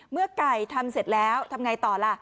เมื่อไก่ทำเสร็จแล้วทำไงต่อล่ะ